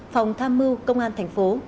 phòng tham mưu công an thành phố